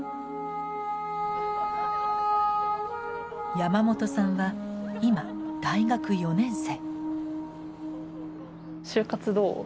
山本さんは今大学４年生。